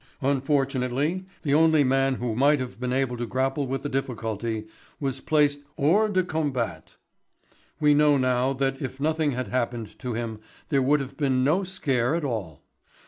"Unfortunately the only man who might have been able to grapple with the difficulty was placed hors de combat. We know now that if nothing had happened to him there would have been no scare at all.